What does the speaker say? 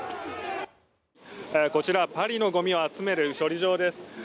こちらパリのゴミを集める処理場です。